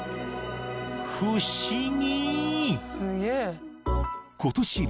［不思議］